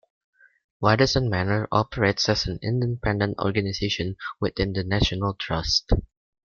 Waddesdon Manor operates as an independent organization within the National Trust.